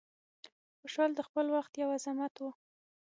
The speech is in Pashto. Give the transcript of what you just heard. خوشحال د خپل وخت یو عظمت و.